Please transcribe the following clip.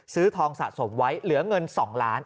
ซื้อทองสะสมไว้เหลือเงิน๒ล้าน